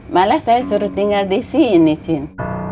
malah saya suruh tinggal disini cin